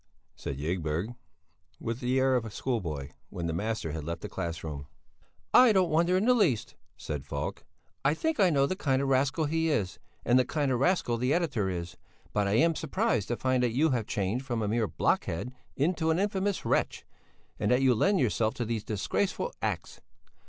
said Ygberg, with the air of a schoolboy, when the master had left the class room. "I don't wonder in the least," said Falk; "I think I know the kind of rascal he is, and the kind of rascal the editor is. But I am surprised to find that you have changed from a mere blockhead into an infamous wretch, and that you lend yourself to these disgraceful acts."